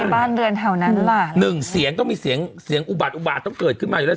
บ้านเรือนแถวนั้นหรือเปล่าหนึ่งเสียงต้องมีเสียงเสียงอุบาตอุบาตต้องเกิดขึ้นมาอยู่แล้ว